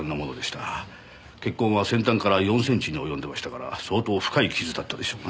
血痕は先端から４センチに及んでいましたから相当深い傷だったでしょうな。